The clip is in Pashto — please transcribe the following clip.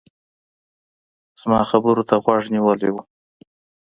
زما خبرو ته غوږ نيولی و.